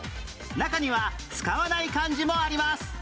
中には使わない漢字もあります